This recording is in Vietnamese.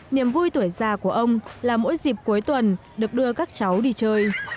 niềm vui tuổi già của ông là mỗi dịp cuối tuần được đưa các cháu đi chơi